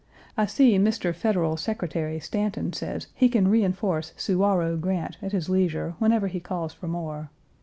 I see Mr. Federal Secretary Stanton says he can reenforce Suwarrow Grant at his leisure whenever he calls for more.